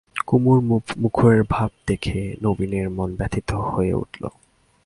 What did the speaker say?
কুমুর মুখের ভাব দেখে নবীনের মন ব্যথিত হয়ে উঠল।